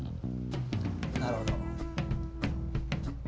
なるほど。